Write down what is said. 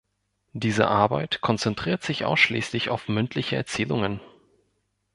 Diese Arbeit konzentriert sich ausschließlich auf mündliche Erzählungen.